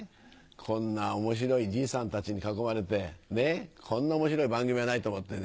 こんな面白いじいさんたちに囲まれてこんな面白い番組はないと思ってね